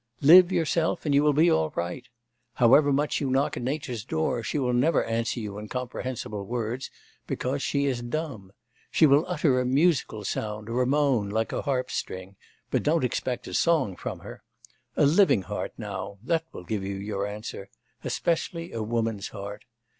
Live, yourself, and you will be all right. However much you knock at nature's door, she will never answer you in comprehensible words, because she is dumb. She will utter a musical sound, or a moan, like a harp string, but don't expect a song from her. A living heart, now that will give you your answer especially a woman's heart.